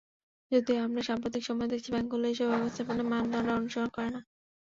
যদিও আমরা সাম্প্রতিক সময়ে দেখেছি, ব্যাংকগুলো এসব ব্যবস্থাপনা মানদণ্ড অনুসরণ করে না।